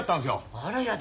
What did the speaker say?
あらやだ